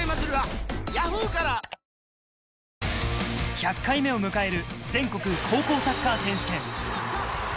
１００回目を迎える全国高校サッカー選手権。